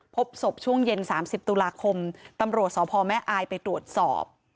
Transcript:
พบศพช่วงเย็น๓๐ตุลาคมตำรวจสพแม่อายไปตรวจสอบ